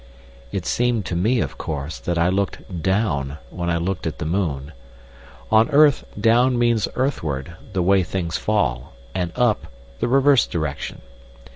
It seemed to me, of course, that I looked "down" when I looked at the moon. On earth "down" means earthward, the way things fall, and "up" the reverse direction.